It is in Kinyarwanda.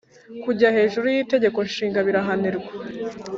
Kujya hejuru y itegeko nshinga birahanirwa